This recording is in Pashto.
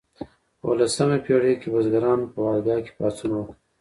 په اوولسمه پیړۍ کې بزګرانو په والګا کې پاڅون وکړ.